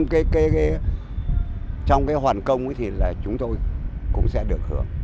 cái hoàn công thì là chúng tôi cũng sẽ được hưởng